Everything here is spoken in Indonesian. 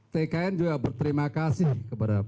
tkn juga berterima kasih kepada